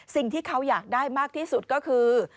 สิ่งที่เขาอยากได้มากที่สุดก็คือ